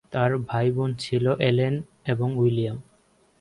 তার ভাইবোন ছিল এলেন এবং উইলিয়াম।